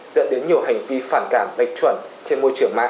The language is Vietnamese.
dẫn đến nhiều hành vi phản cảm